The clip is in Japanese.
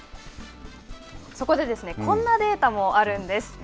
そこでこんなデータもあるんです。